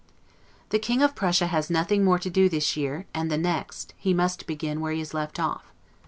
The King of Prussia has nothing more to do this year; and, the next, he must begin where he has left off.